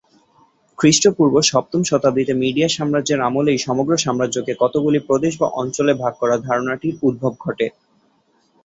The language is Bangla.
খ্রিস্টপূর্ব সপ্তম শতাব্দীতে মিডিয় সাম্রাজ্যের আমলেই সমগ্র সাম্রাজ্যকে কতগুলি প্রদেশ বা অঞ্চলে ভাগ করার ধারণাটির উদ্ভব ঘটে।